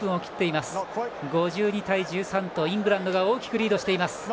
５２対１３とイングランドが大きくリードしています。